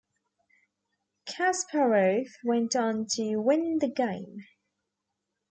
Kasparov went on to win the game.